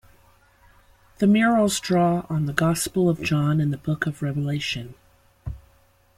The murals draw on the Gospel of John and the Book of Revelation.